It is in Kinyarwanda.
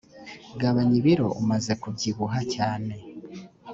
gabanya ibiro umaze kubyubuha cyane